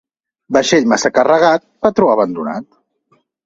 Vaixell massa carregat, patró abandonat.